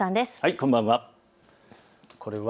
こんばんは。